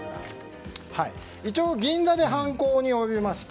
銀座で犯行に及びました。